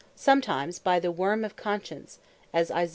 Sometimes, by "the worm of Conscience;" as Isa.